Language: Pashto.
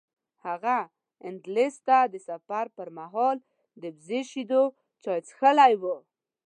هغه اندلس ته د سفر پر مهال د وزې شیدو چای څښلي و.